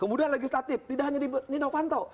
kemudian legislatif tidak hanya di niovanto